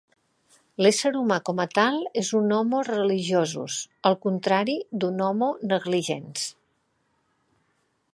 L'ésser humà com a tal és un "homo religiosus", el contrari d'un "homo negligens".